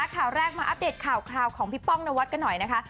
ข่าวแรกมาอัปเดตข่าวของพี่ป้องนวัดกันหน่อยนะคะ